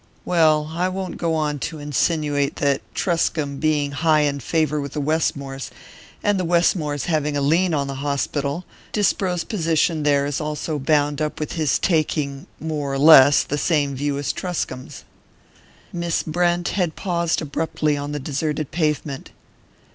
Well, I won't go on to insinuate that, Truscomb being high in favour with the Westmores, and the Westmores having a lien on the hospital, Disbrow's position there is also bound up with his taking more or less the same view as Truscomb's." Miss Brent had paused abruptly on the deserted pavement.